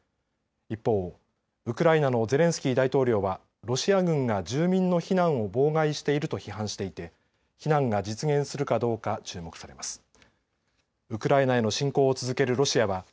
一方、ウクライナのゼレンスキー大統領はロシア軍が住民の避難を妨害していると批判していて避難が実現するかどうか注目されます。